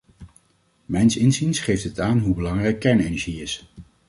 Mijns inziens geeft dit aan hoe belangrijk kernenergie is.